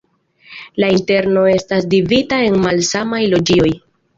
La interno estas dividita en malsamaj loĝioj.